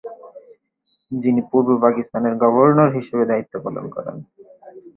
যিনি পূর্ব পাকিস্তানের গভর্নর হিসাবে দায়িত্ব পালন করেন।